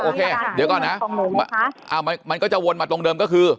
โอเคเดี๋ยวก่อนนะมันก็จะวนมาตรงเดิมก็คือ